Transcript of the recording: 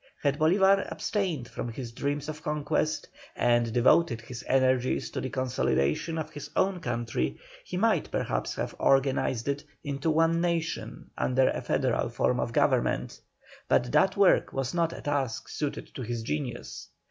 Had Bolívar abstained from his dreams of conquest, and devoted his energies to the consolidation of his own country, he might perhaps have organized it into one nation under a federal form of government, but that was not a task suited to his genius.